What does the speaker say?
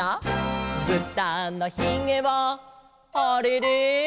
「ぶたのひげはあれれ」